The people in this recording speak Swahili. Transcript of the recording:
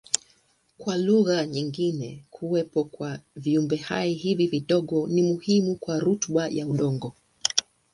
Kwa lugha nyingine kuwepo kwa viumbehai hivi vidogo ni muhimu kwa rutuba ya udongo.